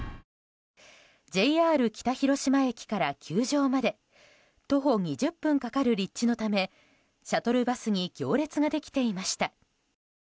ＪＲ北広島駅から球場まで徒歩２０分かかる立地のためシャトルバスに行列ができていました。